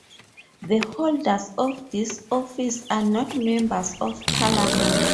The holders of this office are not members of Parliament.